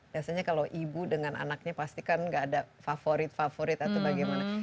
biasanya kalau ibu dengan anaknya pasti kan gak ada favorit favorit atau bagaimana